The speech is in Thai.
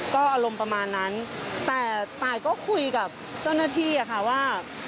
ก็อารมณ์ประมาณนั้นแต่ตายก็คุยกับเจ้าหน้าที่อะค่ะว่า